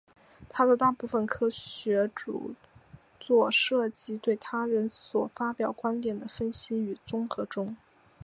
他的大部分科学着作涉及对他人所发表观点的分析与综合中。